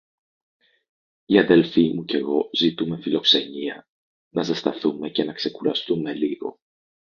Η αδελφή μου κι εγώ ζητούμε φιλοξενία, να ζεσταθούμε και να ξεκουραστούμε λίγο.